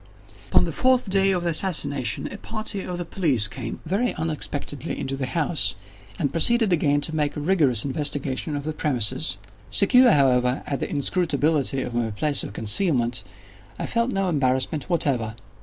Upon the fourth day of the assassination, a party of the police came, very unexpectedly, into the house, and proceeded again to make rigorous investigation of the premises. Secure, however, in the inscrutability of my place of concealment, I felt no embarrassment whatever.